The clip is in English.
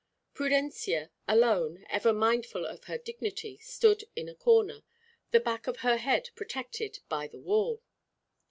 Prudencia, alone, ever mindful of her dignity, stood in a corner, the back of her head protected by the wall.